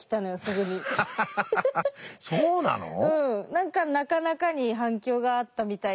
何かなかなかに反響があったみたいで。